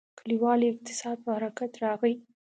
کلیوالي اقتصاد په حرکت راغی.